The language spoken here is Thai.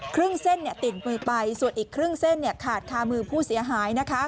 ครึ่งเส้นติดมือไปส่วนอีกครึ่งเส้นขาดคามือผู้เสียหาย